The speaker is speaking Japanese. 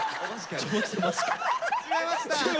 違いました。